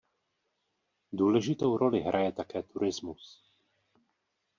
Důležitou roli hraje také turismus.